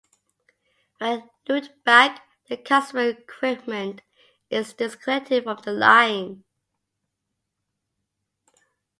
When looped back, the customer equipment is disconnected from the line.